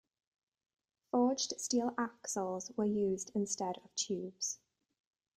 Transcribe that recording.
Forged steel axles were used instead of tubes.